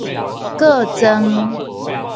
告狀